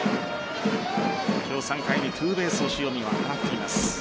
今日、３回にツーベース塩見は放っています。